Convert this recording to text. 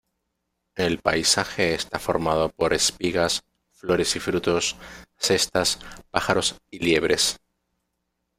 El paisaje está formado por espigas, flores y frutos, cestas, pájaros y liebres.